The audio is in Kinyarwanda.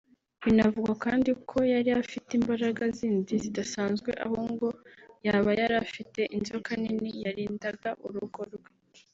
Binavugwa kandi ko yari afite imbaraga zindi zidasanzwe aho ngo yaba yari afite inzoka nini yarindaga urugo rwe